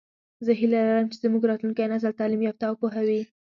زه هیله لرم چې زمونږ راتلونکی نسل تعلیم یافته او پوهه وي